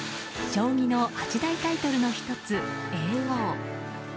将棋の八大タイトルの１つ叡王。